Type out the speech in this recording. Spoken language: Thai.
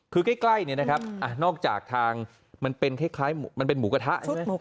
คือใกล้นี่นะครับนอกจากทางมันเป็นเหมือนหมูกระทะ